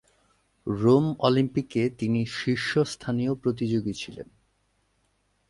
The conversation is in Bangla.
রোম অলিম্পিকে তিনি শীর্ষস্থানীয় প্রতিযোগী ছিলেন।